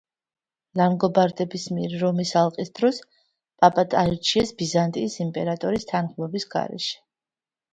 ლანგობარდების მიერ რომის ალყის დროს პაპად აირჩიეს ბიზანტიის იმპერატორის თანხმობის გარეშე.